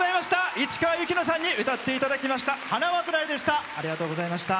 市川由紀乃さんに歌っていただきました「花わずらい」でした。